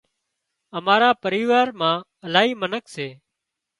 امارا پريوار مان الاهي منک سي